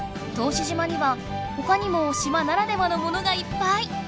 志島にはほかにも島ならではのものがいっぱい。